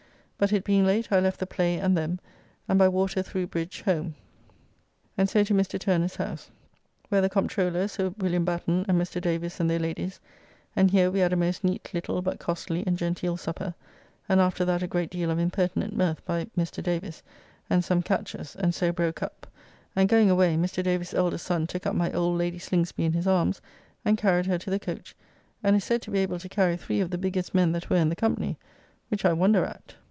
But it being late, I left the play and them, and by water through bridge home, and so to Mr. Turner's house, where the Comptroller, Sir William Batten, and Mr. Davis and their ladies; and here we had a most neat little but costly and genteel supper, and after that a great deal of impertinent mirth by Mr. Davis, and some catches, and so broke up, and going away, Mr. Davis's eldest son took up my old Lady Slingsby in his arms, and carried her to the coach, and is said to be able to carry three of the biggest men that were in the company, which I wonder at.